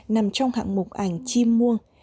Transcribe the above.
nằm trong hạng mục ảnh chim muông